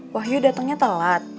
wahyu datengnya telat